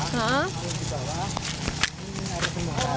kalau di bawah ini air semua